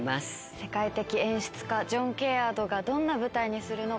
世界的演出家ジョン・ケアードがどんな舞台にするのか。